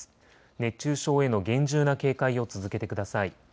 熱中症への厳重な警戒を続けてください。